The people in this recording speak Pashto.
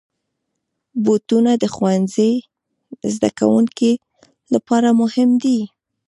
بوټونه د ښوونځي زدهکوونکو لپاره مهم دي.